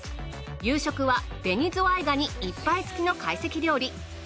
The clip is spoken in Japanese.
夕食は紅ズワイガニ１杯付きの会席料理。